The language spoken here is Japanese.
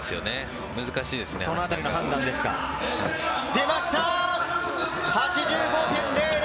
出ました、８５．００。